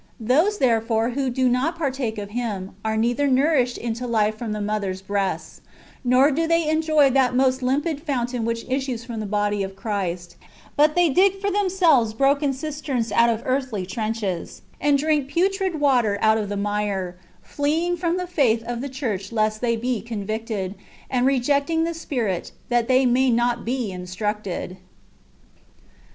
Those, therefore, w^ho do not partake of Him, are neither nourished into life from the mother's breasts, nor do they enjoy that most limpid fountain which issues from the body of Christ; but they dig for themselves broken cisterns' out of earthly trenches, and drink putrid water out of the mire, fleeing from the faith of the church lest they be convicted ; and rejecting the Spirit, that they may not be instructed.